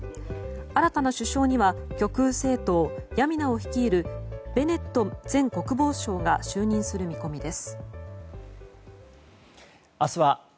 新たな首相には極右政党ヤミナを率いるベネット前国防相が就任する見込みです。